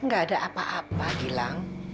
gak ada apa apa hilang